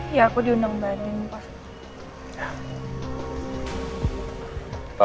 iya aku diundang bandung pak